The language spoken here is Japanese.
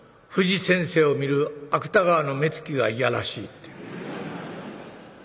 「藤先生を見る芥川の目つきが嫌らしいって」。